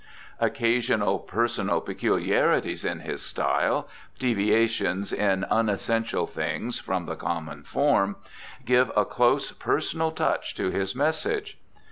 Occasional personal peculiarities in his style, deviations in unessential things from the common form, give a close personal touch to his message.